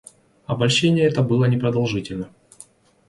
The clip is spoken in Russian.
Обольщение это было непродолжительно.